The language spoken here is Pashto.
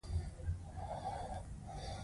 بوټونه دې وباسه، دا د بوډا بستره ده.